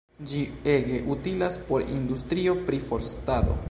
Ĝi ege utilas por industrio pri forstado.